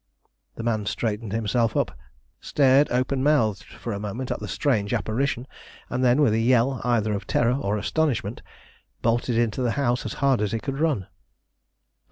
The man straightened himself up, stared open mouthed for a moment at the strange apparition, and then, with a yell either of terror or astonishment, bolted into the house as hard as he could run.